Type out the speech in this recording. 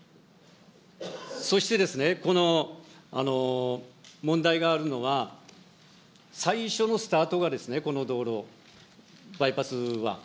そして、問題があるのは、最初のスタートが、この道路、バイパスは。